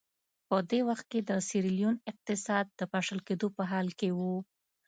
په دې وخت کې د سیریلیون اقتصاد د پاشل کېدو په حال کې و.